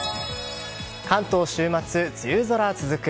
関東週末、梅雨空続く。